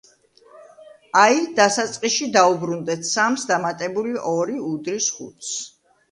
აი, დასაწყისში დავუბრუნდეთ, სამს დამატებული ორი უდრის ხუთს.